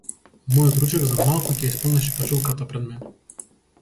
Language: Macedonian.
Мојот ручек, за малку ќе ја исполнеше качулката пред мене.